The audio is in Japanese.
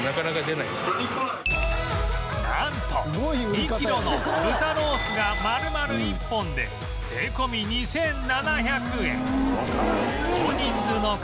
なんと２キロの豚ロースが丸々１本で税込２７００円